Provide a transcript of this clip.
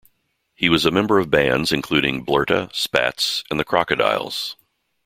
He was a member of bands including Blerta, Spats and The Crocodiles.